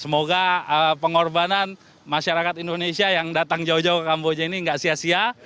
semoga pengorbanan masyarakat indonesia yang datang jauh jauh ke kamboja ini tidak sia sia